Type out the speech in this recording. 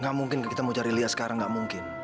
gak mungkin kita mau cari lian sekarang gak mungkin